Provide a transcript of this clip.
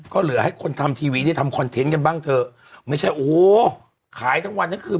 ก็เหลือให้คนทำทีวีได้ทำคอนเทนต์กันบ้างเถอะไม่ใช่โอ้โหขายทั้งวันทั้งคืน